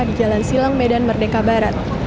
di jalan silang medan merdeka barat